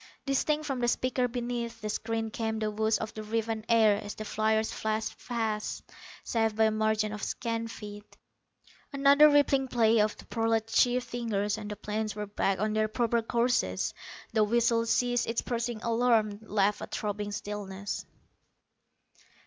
Distinct from the speaker beneath the screen came the whoosh of the riven air as the fliers flashed past, safe by a margin of scant feet. Another rippling play of the prolat chief's fingers and the planes were back on their proper courses. The whistle ceased its piercing alarm, left a throbbing stillness.